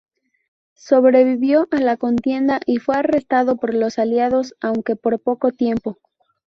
Sobrevivió a la contienda y fue arrestado por los aliados, aunque por poco tiempo.